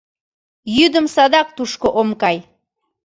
— Йӱдым садак тушко ом кай.